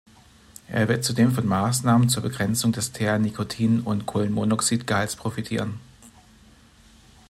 Er wird zudem von Maßnahmen zur Begrenzung des Teer, Nikotinund Kohlenmonoxidgehalts profitieren.